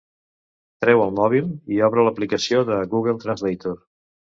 Treu el mòbil i obre l'aplicació de Google Translator.